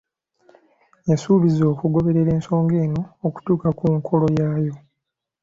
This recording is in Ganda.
Yasuubiza okugoberera ensonga eno okutuuka ku nkolo yaayo.